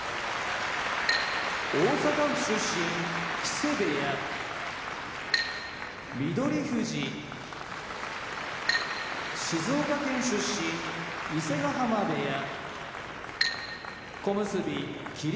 大阪府出身木瀬部屋翠富士静岡県出身伊勢ヶ濱部屋小結・霧